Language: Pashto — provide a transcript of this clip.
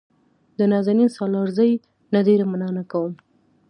د نازنین سالارزي نه ډېره مننه کوم.